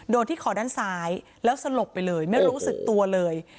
ที่คอด้านซ้ายแล้วสลบไปเลยไม่รู้สึกตัวเลย